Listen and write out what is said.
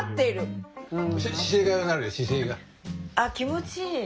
あっ気持ちいい。